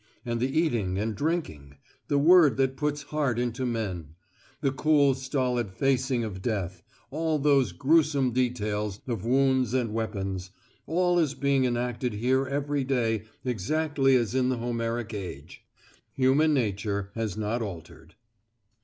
And the eating and drinking, the 'word that puts heart into men,' the cool stolid facing of death, all those gruesome details of wounds and weapons, all is being enacted here every day exactly as in the Homeric age. Human nature has not altered.